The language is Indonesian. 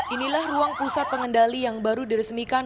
inilah ruang pusat pengendali yang baru diresmikan